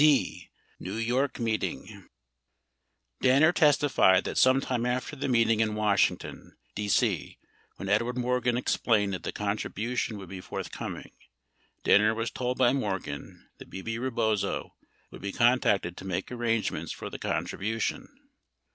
41 D. New Yokk Meeting Danner testified that sometime after the meeting in Washington, D.C., when Edward Morgan explained that the contribution would be forthcoming, Danner was told by Morgan that Bebe Rebozo would be contacted to make arrangements for the contribution.